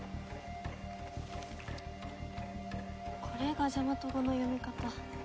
これがジャマト語の読み方。